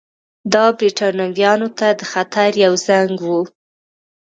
دا برېټانویانو ته د خطر یو زنګ وو.